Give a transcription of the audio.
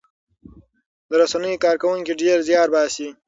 د رسنیو کارکوونکي ډېر زیار باسي.